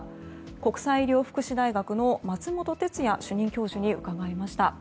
国際医療福祉大学の松本哲哉主任教授に伺いました。